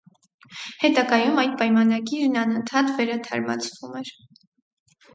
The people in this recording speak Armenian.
Հետագայում այդ պայմանագիրն անընդհատ վերաթարմացվում էր։